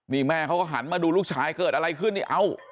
นี่แม่เขาก็หันมาดูลูกชายเกิดอะไรขึ้นนี่เอ้า